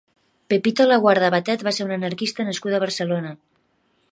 Pepita Laguarda Batet va ser una anarquista nascuda a Barcelona.